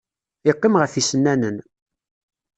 Yeqqim ɣef yisennanen.